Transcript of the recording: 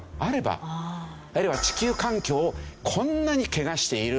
あるいは地球環境をこんなに汚している。